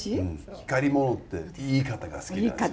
光り物って言い方が好きなんです。